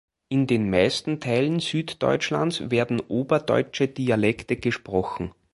In den meisten Teilen Süddeutschlands werden Oberdeutsche Dialekte gesprochen.